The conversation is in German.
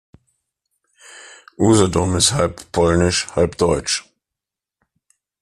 Usedom ist halb polnisch, halb deutsch.